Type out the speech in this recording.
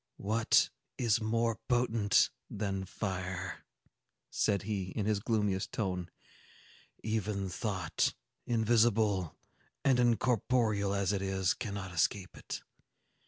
"What is more potent than fire!" said he, in his gloomiest tone. "Even thought, invisible and incorporeal as it is, cannot escape it.